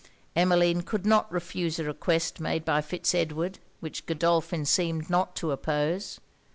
Emmeline could not refuse a request made by Fitz Edward which Godolphin seemed not to oppose.